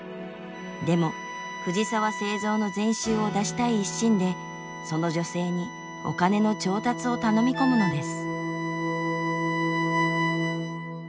でも藤澤造の全集を出したい一心でその女性にお金の調達を頼み込むのです。